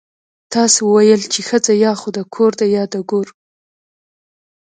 تاسو ويل چې ښځه يا خو د کور ده يا د ګور.